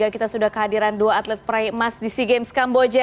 kita sudah kehadiran dua atlet peraih emas di sea games kamboja